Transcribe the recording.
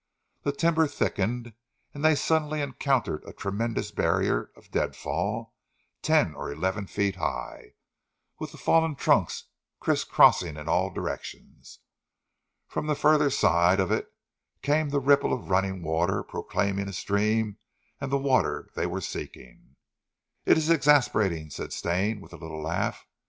The timber thickened, and they suddenly encountered a tremendous barrier of deadfall ten or eleven feet high, with the fallen trunks criss crossing in all directions. From the further side of it came the ripple of running water proclaiming a stream and the water they were seeking. "It is exasperating," said Stane, with a little laugh.